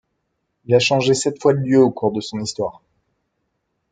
Il a changé sept fois de lieu au cours de son histoire.